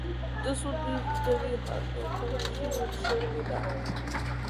This would leave Dido heartbroken, and she would surely die.